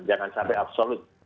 jangan sampai absolut